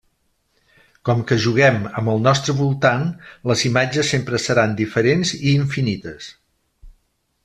Com que juguem, amb el nostre voltant, les imatges sempre seran diferents i infinites.